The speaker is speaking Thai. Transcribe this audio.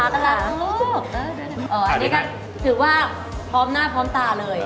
อันนี้ก็ถือว่าพร้อมหน้าพร้อมตาเลย